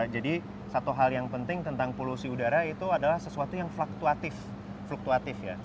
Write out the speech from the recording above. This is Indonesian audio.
jadi satu hal yang penting tentang polusi udara itu adalah sesuatu yang fluktuatif